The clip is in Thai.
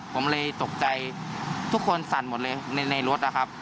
ผมเลยตกใจทุกคนสั่นหมดเลยในรถนะครับ